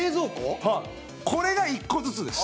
土田：これが１個ずつです。